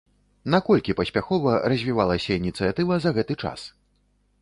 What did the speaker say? Наколькі паспяхова развівалася ініцыятыва за гэты час?